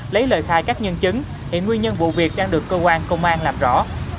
lấy lời khai các nhân chứng hiện nguyên nhân vụ việc đang được cơ quan công an làm rõ